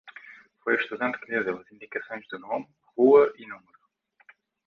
Foi o estudante que lhe deu as indicações do nome, rua e número.